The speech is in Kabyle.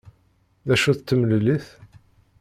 D acu-tt temlellit?